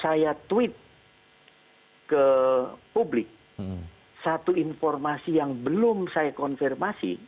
saya tweet ke publik satu informasi yang belum saya konfirmasi